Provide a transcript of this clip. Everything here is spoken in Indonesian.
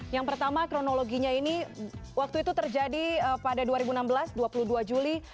yang pertama kronologinya ini waktu itu terjadi pada dua ribu enam belas dua puluh dua juli